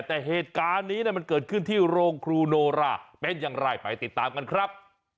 แต่เหตุการณ์นี้มันเกิดขึ้นที่โรงครูโนราเป็นอย่างไรไปติดตามกันครับ